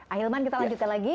ahilman kita lanjutkan lagi